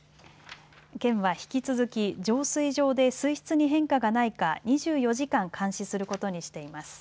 県は引き続き浄水場で水質に変化がないか２４時間監視することにしています。